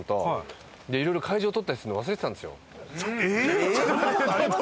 いろいろ会場とったりするのを忘れてたんですよ。